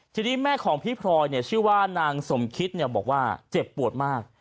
ทีนี้แม่ของพิพรอยเนี่ยชื่อว่านางสมคิตเนี่ยบอกว่าเจ็บปวดมาก